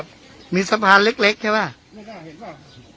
อ๋อตรงนั้นออกป่าจาก